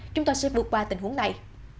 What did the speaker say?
chúng tôi sẽ vượt qua tình huống này